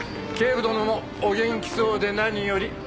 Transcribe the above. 警部殿もお元気そうで何より。